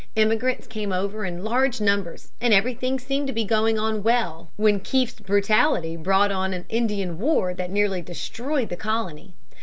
Emigrants came over in large numbers, and everything seemed to be going on well when Kieft's brutality brought on an Indian war that nearly destroyed the colony.